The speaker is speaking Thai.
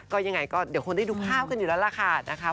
ก็อย่างไรเดี๋ยวคนได้ดูภาพกันอยู่แล้วล่ะค่ะ